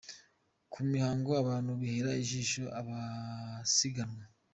Ku mihanda abantu bihera ijisho abasiganwa.